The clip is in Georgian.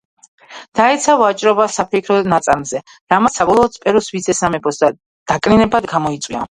დაეცა ვაჭრობა საფეიქრო ნაწარმზე, რამაც საბოლოოდ პერუს ვიცე-სამეფოს დაკნინება გამოიწვია.